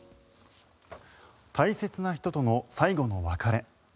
大切な人との最後の別れ。